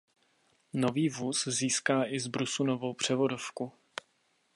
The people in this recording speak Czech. Nový vůz získá i zbrusu novou převodovku.